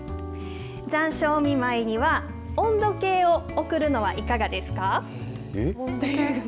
残暑お見舞いには温度計を贈るのはいかがですか。